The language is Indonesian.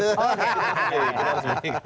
kita harus break